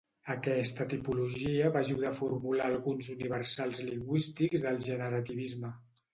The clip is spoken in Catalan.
Aquesta tipologia va ajudar a formular alguns universals lingüístics del generativisme.